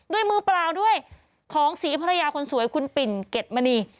ด้วยมือเปล่าด้วยของศรีภรรยาคนสวยคุณปิ่นเก็ดมณี